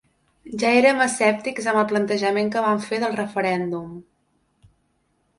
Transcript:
Ja érem escèptics amb el plantejament que van fer del referèndum.